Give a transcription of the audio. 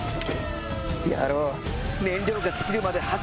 野郎！